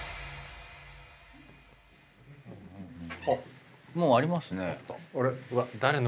あっもうありますね。